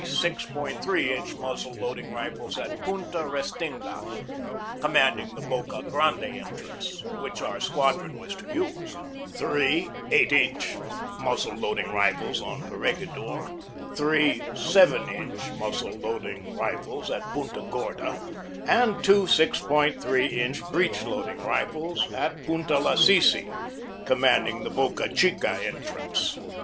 3 inch muzzle loading rifles at Punta Restinga, commanding the Boca Grande entrance, which our squadron was to use; three 8 inch muzzle loading rifles on Corregidor, three y inch muzzle loading rifles at Punta Gorda, and two 6.3 inch breech loading rifles at Punta Lasisi, commanding the Boca Chica entrance.